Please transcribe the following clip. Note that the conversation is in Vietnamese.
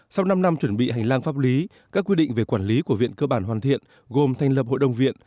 sau năm năm chuẩn bị hành lang pháp lý các quy định về quản lý của viện cơ bản hoàn thiện gồm thành lập hội đồng viện